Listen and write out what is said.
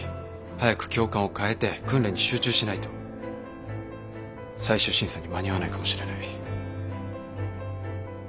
早く教官を替えて訓練に集中しないと最終審査に間に合わないかもしれない。